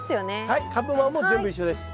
はい株間も全部一緒です。